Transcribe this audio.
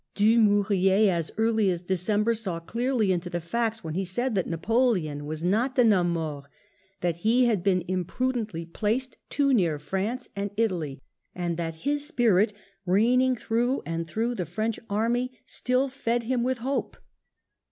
Dumouriez, as early as December, saw clearly into the facts, when he said that Napoleon was not an homme Tnort, that he had been imprudently placed too near France and Italy, and that his spirit, reigning through and through the French army, still fed him with hope.